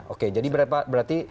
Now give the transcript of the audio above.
oke jadi berapa berarti